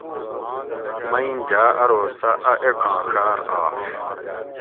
مئیم جاۤ ارو سہ اۤ ایڄاں ڛاۤر آش